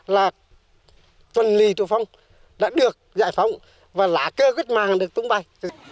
là tuần lì chủ phong đã được giải phóng và lá cơ quyết màng được tung bay